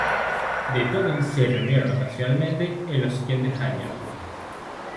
The Tokens se reunieron ocasionalmente en los siguientes años.